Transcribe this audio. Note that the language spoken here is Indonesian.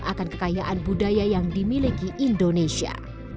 akan kekayaan budaya yang dimiliki indonesia